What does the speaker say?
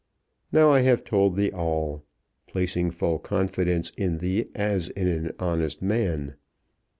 Now I have told thee all, placing full confidence in thee as in an honest man.